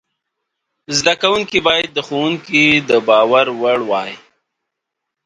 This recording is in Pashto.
زده کوونکي باید د ښوونکي د باور وړ وای.